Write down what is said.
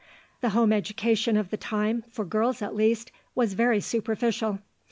The home education of the time, for girls at least, was very superficial.